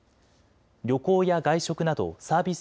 旅行や外食などサービス